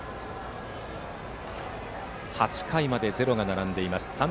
８回までゼロが並んでいます。